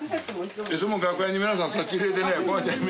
いつも楽屋に皆さん差し入れでねこうして。